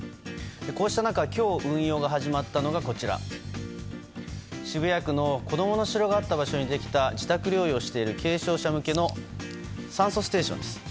こうした中今日、運用が始まったのが渋谷区のこどもの城があった場所にできた自宅療養している軽症者向けの酸素ステーションです。